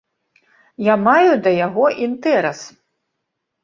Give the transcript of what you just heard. Я маю да яго інтэрас.